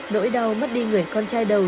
nỗi đau mất đi người con trai đầu